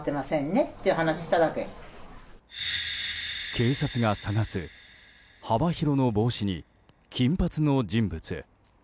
警察が捜す幅広の帽子に金髪の人物。